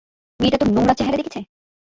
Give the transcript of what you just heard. মেয়েটা তোর নোংরা চেহারা দেখছে?